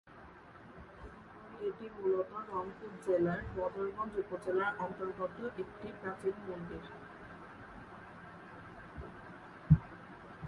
এটি মূলত রংপুর জেলার বদরগঞ্জ উপজেলার অন্তর্গত একটি প্রাচীন মন্দির।